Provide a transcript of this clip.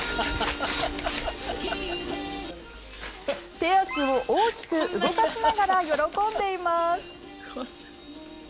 手足を大きく動かしながら喜んでいます。